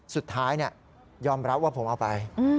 สุดท้ายยอมรับว่าผมเอาไป